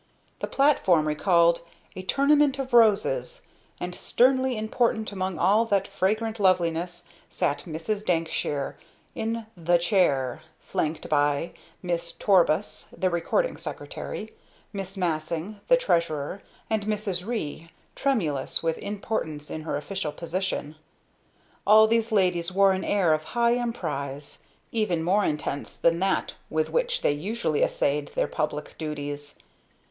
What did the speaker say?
The platform recalled a "tournament of roses," and, sternly important among all that fragrant loveliness, sat Mrs. Dankshire in "the chair" flanked by Miss Torbus, the Recording Secretary, Miss Massing, the Treasurer, and Mrs. Ree, tremulous with importance in her official position. All these ladies wore an air of high emprise, even more intense than that with which they usually essayed their public duties.